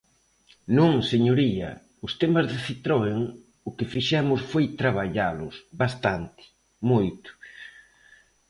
Non, señoría, os temas de Citroen o que fixemos foi traballalos, bastante, moito.